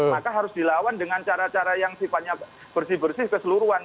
maka harus dilawan dengan cara cara yang sifatnya bersih bersih keseluruhan